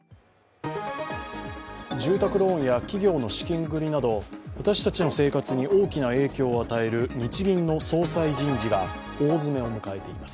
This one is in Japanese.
住宅ローンや企業の資金繰りなど私たちの生活に大きな影響を与える日銀の総裁人事が大詰めを迎えています。